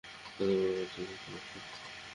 এতো বড়ো বাচ্চা দেখতে পাস না?